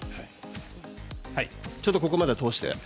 ちょっとここまで通して。